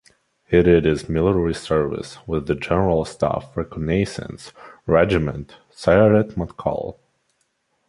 He did his military service with the General Staff Reconnaissance Regiment (Sayeret Matkal).